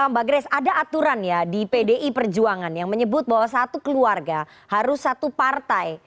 mbak grace ada aturan ya di pdi perjuangan yang menyebut bahwa satu keluarga harus satu partai